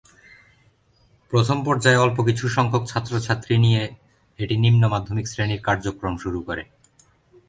প্রথম পর্যায়ে অল্প কিছু সংখ্যক ছাত্রছাত্রী নিয়ে এটি নিম্ন মাধ্যমিক শ্রেণীর কার্যক্রম শুরু করে।